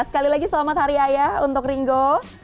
sekali lagi selamat hari ayah untuk ringo